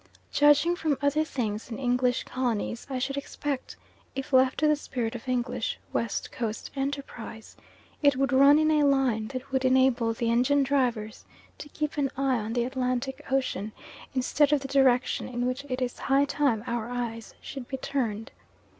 Judging from other things in English colonies, I should expect, if left to the spirit of English (West Coast) enterprise, it would run in a line that would enable the engine drivers to keep an eye on the Atlantic Ocean instead of the direction in which it is high time our eyes should be turned.